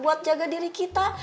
buat jaga diri kita